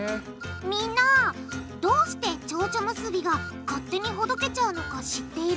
みんなどうしてちょうちょ結びが勝手にほどけちゃうのか知っている？